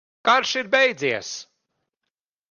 Karš ir beidzies!